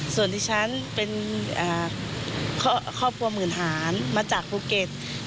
ส่วนที่ฉันเป็นครอบครัวหมื่นหารมาจากภูเก็ต